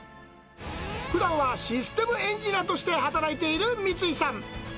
ふだんはシステムエンジニアとして働いている三井さん。